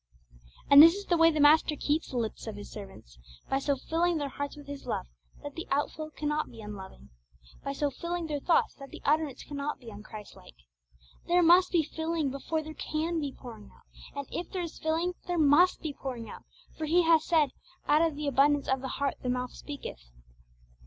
And this is the way the Master keeps the lips of His servants, by so filling their hearts with His love that the outflow cannot be unloving, by so filling their thoughts that the utterance cannot be un Christ like. There must be filling before there can be pouring out; and if there is filling, there must be pouring out, for He hath said, 'Out of the abundance of the heart the mouth speaketh.'